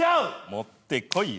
持ってこいよ。